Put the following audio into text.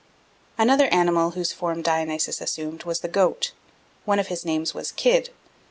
Another animal whose form Dionysus assumed was the goat. One of his names was "Kid."